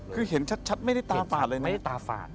คือเห็นชัดไม่ได้ตาฝาดเลยนะ